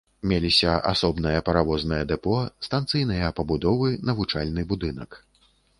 Меліся асобнае паравознае дэпо, станцыйныя пабудовы, навучальны будынак.